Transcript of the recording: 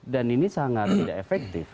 dan ini sangat tidak efektif